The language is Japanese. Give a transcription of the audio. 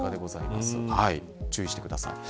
注意してください。